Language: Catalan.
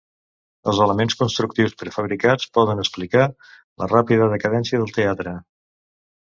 Els elements constructius prefabricats poden explicar la ràpida decadència del teatre.